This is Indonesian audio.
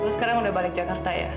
sekarang udah balik jakarta ya